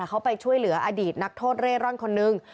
เขาไปช่วยเหลืออดีตนักโทษเร่ร่อนคนนึง